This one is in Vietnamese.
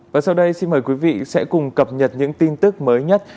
và sau đây xin mời quý vị sẽ cùng cập nhật những tin tức mới nhất